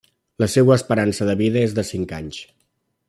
La seua esperança de vida és de cinc anys.